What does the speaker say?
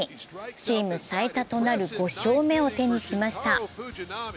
チーム最多となる５勝目を手にしました。